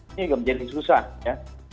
ini juga menjadi susah ya